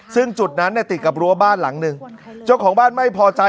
ซึ่งจุดนั้นเนี่ยติดกับรั้วบ้านหลังหนึ่งเจ้าของบ้านไม่พอใจ